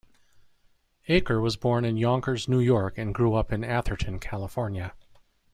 Aker was born in Yonkers, New York and grew up in Atherton, California.